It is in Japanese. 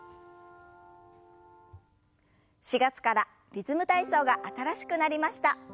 ４月から「リズム体操」が新しくなりました。